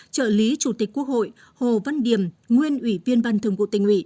trợ lý chủ tịch quốc hội hồ văn điểm nguyên ủy viên ban thường vụ tình ủy